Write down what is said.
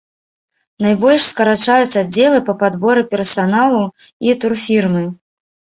Найбольш скарачаюць аддзелы па падборы персаналу і турфірмы.